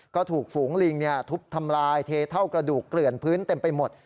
ก็ถูกฝูงลิงทุบทำลายเทเท่ากระดูกเกลื่อนพื้นเต็มไปหมด